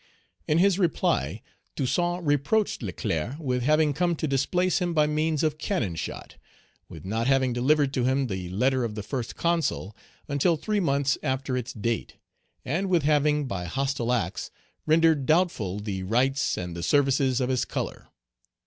In his reply, Toussaint reproached Leclerc with having come to displace him by means of cannon shot; with not having delivered to him the letter of the First Consul, until three months after its date; and with having, by hostile acts, rendered doubtful the rights and the services of his color.